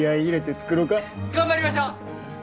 頑張りましょう！